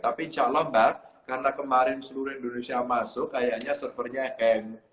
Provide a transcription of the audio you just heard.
tapi insya allah mbak karena kemarin seluruh indonesia masuk kayaknya servernya hand